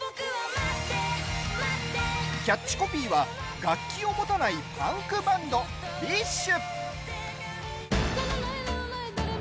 キャッチコピーは楽器を持たないパンクバンドＢｉＳＨ。